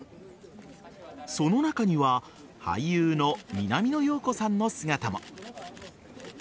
その中には俳優の南野陽子さんの姿も。